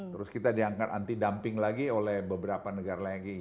terus kita diangkat anti dumping lagi oleh beberapa negara lagi